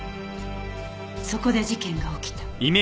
そこで事件が起きた。